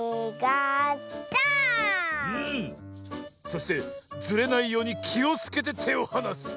そしてずれないようにきをつけててをはなす。